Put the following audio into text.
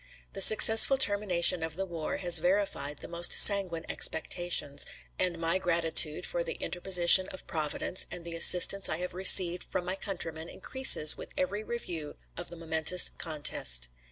The successful termination of the war has verified the most sanguine expectations, and my gratitude for the interposition of Providence and the assistance I have received from my countrymen increases with every review of the momentous contest.